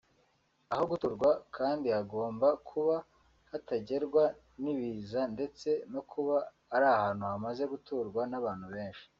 Aho guturwa kandi hagomba kuba hatagerwa n’ibiza ndetse no kuba ari ahantu hamaze guturwa n’abantu benshi